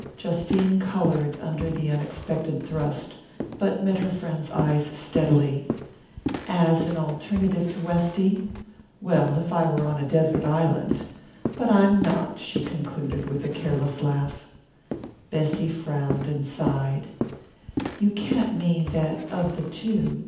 Justine coloured under the unexpected thrust, but met her friend's eyes steadily. "As an alternative to Westy? Well, if I were on a desert island but I'm not!" she concluded with a careless laugh. Bessy frowned and sighed. "You can't mean that, of the two